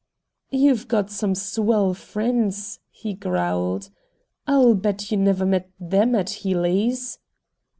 "You've got some swell friends," he growled. "I'll bet you never met THEM at Healey's!"